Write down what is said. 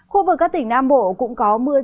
khu vực các tỉnh nam bộ cũng có mưa rông trong ngày mai